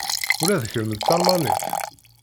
Ula d kemm d Talmanit?